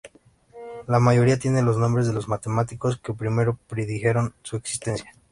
La mayoría tienen los nombres de los matemáticos que primero predijeron su existencia.